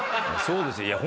そうですよ